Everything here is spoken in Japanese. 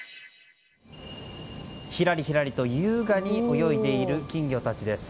ひらりひらりと優雅に泳いでいる金魚たちです。